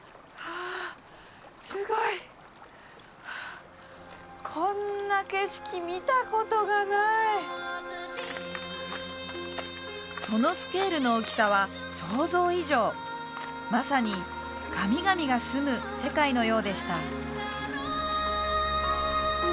すごいこんな景色見たことがないそのスケールの大きさは想像以上まさに神々がすむ世界のようでした